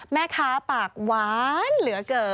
แม่ค้าปากหวานเหลือเกิน